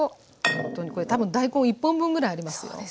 これ多分大根１本分ぐらいありますよ。